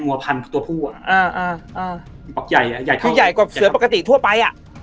งัวพันธุ์ตัวผู้อ่ะอ่าอ่าอ่าอ่าอ่าอ่าอ่าอ่าอ่าอ่าอ่า